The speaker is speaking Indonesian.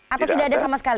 atau tidak ada sama sekali